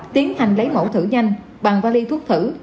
tiến hành lấy mẫu thử nhanh bằng vali thuốc thử